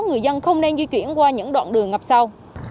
người dân không nên di chuyển qua những đoạn đường ngập sâu